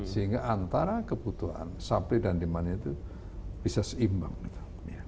sehingga antara kebutuhan sapri dan liman itu bisa seimbang gitu